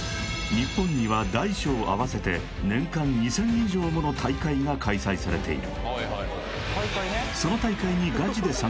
日本には大小合わせて年間２０００以上もの大会が開催されている